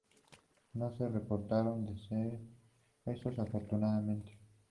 No se reportaron decesos afortunadamente.